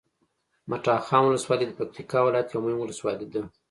مټاخان ولسوالي د پکتیکا ولایت یوه مهمه ولسوالي ده